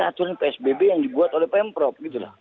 aturan psbb yang dibuat oleh pemprov